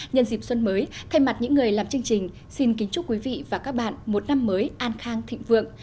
nhân dịp xuân mới thay mặt những người làm chương trình xin kính chúc quý vị và các bạn một năm mới an khang thịnh vượng